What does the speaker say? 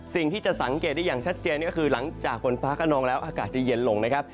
สิ่งที่จะสังเกตได้อย่างชัดเจนก็คือหลังจากฝนฟ้ากระนองแล้วอากาศจะเย็นลงนะครับ